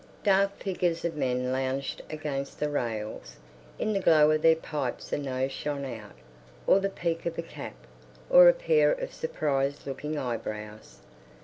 Dark figures of men lounged against the rails. In the glow of their pipes a nose shone out, or the peak of a cap, or a pair of surprised looking eyebrows.